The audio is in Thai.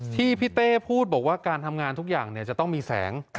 ที่พี่เต้พูดบอกว่าการทำงานทุกอย่างจะต้องมีแสง